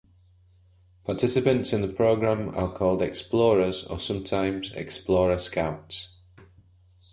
Participants in the program are called Explorers or sometimes Explorer Scouts.